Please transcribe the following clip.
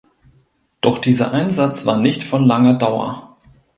Doch dieser Einsatz war nicht von langer Dauer.